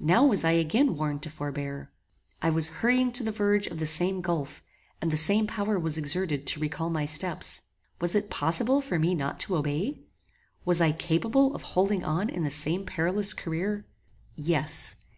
Now was I again warned to forbear. I was hurrying to the verge of the same gulf, and the same power was exerted to recall my steps. Was it possible for me not to obey? Was I capable of holding on in the same perilous career? Yes.